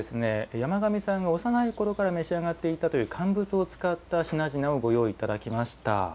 山上さんが幼いころから召し上がっていたという乾物を使った品々ご用意いただきました。